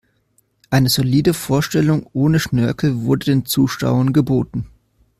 Eine solide Vorstellung ohne Schnörkel wurde den Zuschauern geboten.